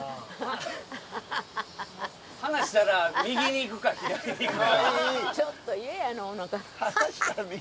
放したら右に行くか左に行くか。